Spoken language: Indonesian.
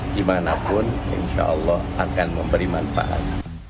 dimanapun insya allah akan memberi manfaat